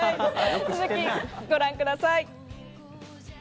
続きをご覧ください。